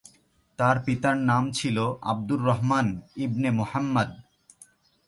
তার পিতার নাম ছিলো আব্দুর রহমান ইবনে মুহাম্মাদ।